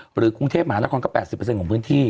หรือกรุงเทพมหานครก็๘๐ของพื้นที่